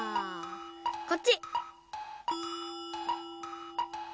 こっち！